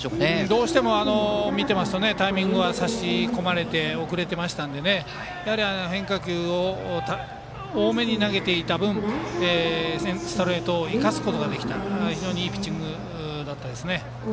どうしても見ていると差し込まれて遅れていましたので変化球を多めに投げていた分ストレートを生かすことができた非常にいいピッチングでしたね。